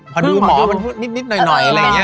พอดูหมอมันพูดนิดหน่อย